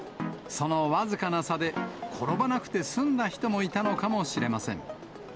そのわずかな差で、転ばなくて済んだ人もいたのかもしれません。